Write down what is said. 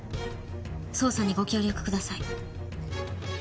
捜査にご協力ください。